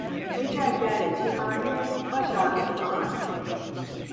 Ecel geldi cihane, baş ağrısı bahane.